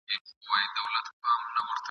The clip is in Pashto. له مستۍ به یې په ډزو کي شیشنی سو ..